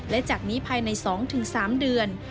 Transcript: และจากนี้ภายใน๒๓เดือน